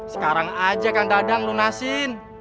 sekarang aja kang dadang lunasin